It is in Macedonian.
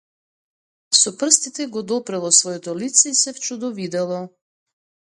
Со прстите го допрело своето лице и се вчудовидело.